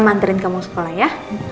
mama anterin kamu sekolah ya